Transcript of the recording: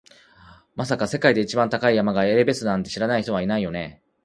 まさか、世界で一番高い山がエベレストだって知らない人はいないよね？